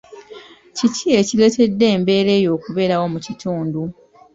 Kiki ekireetedde embeera eyo okubeerawo mu kitundu?